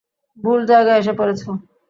ভুল জায়গায় এসে পড়েছো।